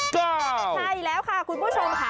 แก่ใช่แล้วค่ะคุณผู้ชมค่ะ